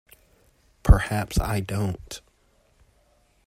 Perhaps I don't.